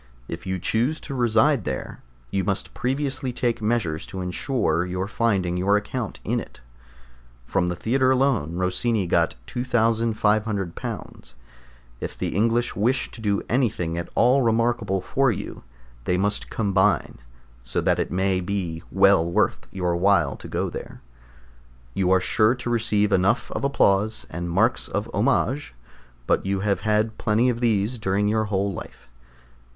If you choose to reside there, you must previously take measures to ensure your finding your account in it. From the Theatre alone Rossini got £2500. If the English wish to do anything at all remarkable for you, they must combine, so that it may be well worth your while to go there. You are sure to receive enough of applause, and marks of homage, but you have had plenty of these during your whole life.